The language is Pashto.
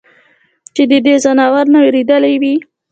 چې د دې ځناورو نه وېرېدلے وي ؟